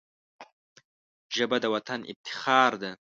ژبه د وطن افتخار ده